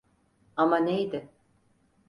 Ama neydi?